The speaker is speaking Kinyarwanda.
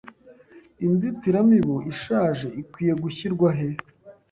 Inzitiramibu ishaje ikwiye gushyirwa he?